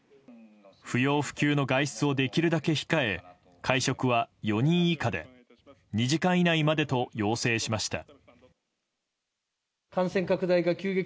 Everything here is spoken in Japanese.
不要不急の外出をできるだけ控え会食は４人以下で２時間以内までと要請しました。